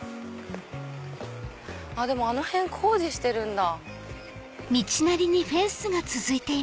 あの辺工事してるんだ。